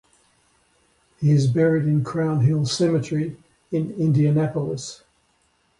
He is buried in Crown Hill Cemetery in Indianapolis.